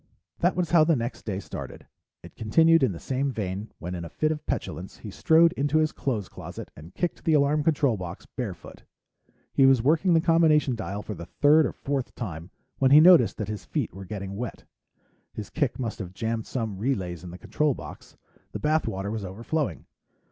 That was how the next day started. It continued in the same vein when, in a fit of petulance, he strode into his clothes closet and kicked the alarm control box, barefoot. He was working the combination dial for the third or fourth time when he noticed that his feet were getting wet. His kick must have jammed some relays in the control box; the bath water was overflowing.